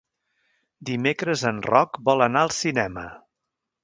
Dimecres en Roc vol anar al cinema.